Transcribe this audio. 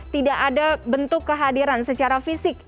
tidak ada bentuk kehadiran secara fisik